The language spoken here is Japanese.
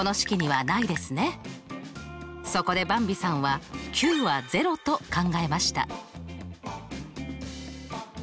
そこでばんびさんはｑは０と考えました。